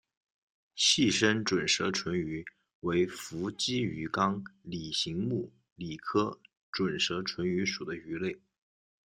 细身准舌唇鱼为辐鳍鱼纲鲤形目鲤科准舌唇鱼属的鱼类。